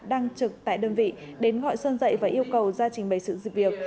đang trực tại đơn vị đến gọi sơn dạy và yêu cầu ra trình bày sự việc